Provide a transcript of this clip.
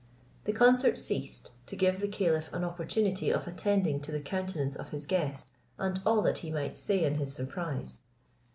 The concert ceased, to give the caliph an opportunity of attending to the countenance of his guest, and all that he might say in his surprise.